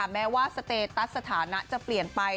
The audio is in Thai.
แม้ว่าสเตตัสสถานะจะเปลี่ยนไป